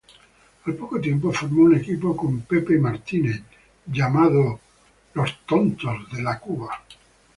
Al poco tiempo, formó un equipo con Shelton Benjamin llamado The Dogg Pound.